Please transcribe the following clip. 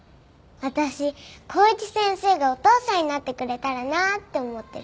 私公一先生がお父さんになってくれたらなって思ってるんだ。